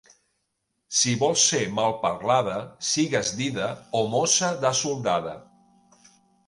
Si vols ser malparlada, sigues dida o mossa de soldada.